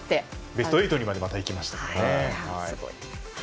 ベスト８にまで行きましたから。